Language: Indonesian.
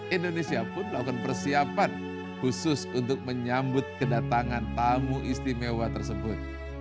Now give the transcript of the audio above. indonesia pun melakukan persiapan khusus untuk menyambut kedatangan tamu istimewa tersebut